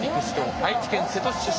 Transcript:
愛知県瀬戸市出身。